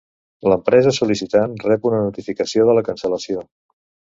L'empresa sol·licitant rep una notificació de la cancel·lació.